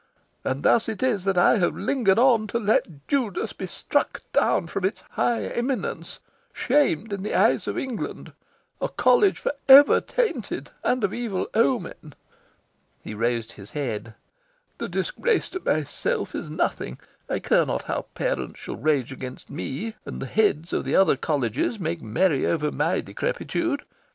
And thus it is that I have lingered on to let Judas be struck down from its high eminence, shamed in the eyes of England a College for ever tainted, and of evil omen." He raised his head. "The disgrace to myself is nothing. I care not how parents shall rage against me, and the Heads of other Colleges make merry over my decrepitude.